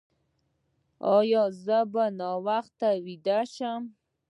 ایا زه باید ناوخته ویده شم؟